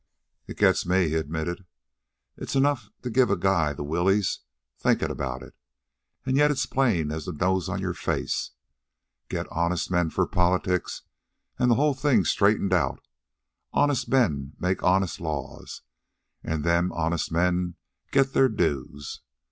"It gets me," he admitted. "It's enough to give a guy the willies thinkin' about it. And yet it's plain as the nose on your face. Get honest men for politics, an' the whole thing's straightened out. Honest men'd make honest laws, an' then honest men'd get their dues.